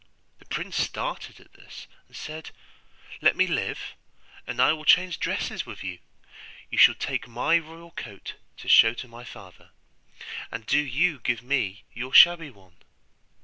The prince started at this, and said, 'Let me live, and I will change dresses with you; you shall take my royal coat to show to my father, and do you give me your shabby one.